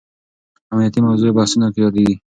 امنیتي موضوع بحثونو کې یادېږي.